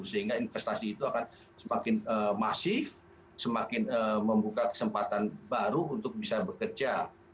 sehingga investasi itu akan semakin masif semakin membuka kesempatan baru untuk bisa bekerja